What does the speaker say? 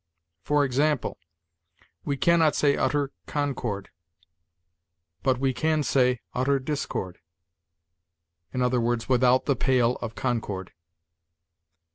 For example, we can not say utter concord, but we can say utter discord i. e., without the pale of concord.